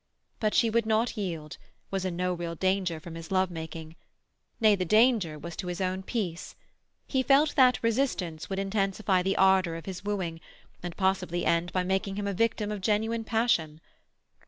But she would not yield, was in no real danger from his love making. Nay, the danger was to his own peace. He felt that resistance would intensify the ardour of his wooing, and possibly end by making him a victim of genuine passion.